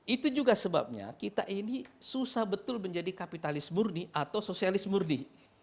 itu juga sebabnya kita ini susah betul menjadi kapitalis murni atau sosialis murni